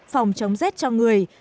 phòng chống rét cho người